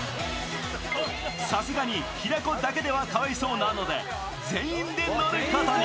さすがに平子だけではかわいそうなので、全員で乗ることに。